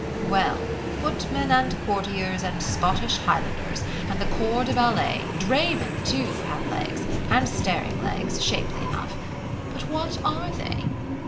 Well, footmen and courtiers and Scottish Highlanders, and the corps de ballet, draymen too, have legs, and staring legs, shapely enough. But what are they?